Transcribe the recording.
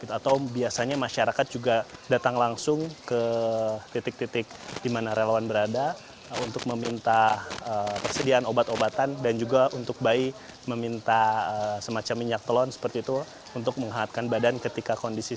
atau biasanya masyarakat juga datang langsung ke titik titik di mana relawan berada untuk meminta persediaan obat obatan dan juga untuk bayi meminta semacam minyak telon seperti itu untuk menghangatkan badan ketika kondisi